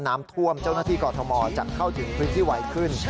น้ำท่วมเจ้าหน้าที่กรทมจะเข้าถึงพื้นที่ไวขึ้น